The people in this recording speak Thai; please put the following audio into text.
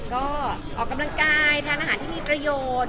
ก็ออกกำลังกายทานอาหารที่มีประโยชน์